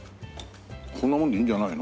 こんなもんでいいんじゃないの？